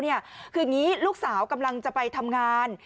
คืออย่างนี้ลูกสาวกำลังจะไปทำงาน